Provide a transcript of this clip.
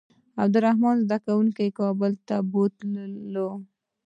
عبدالرحمن زده کوونکي کابل ته بوتلل.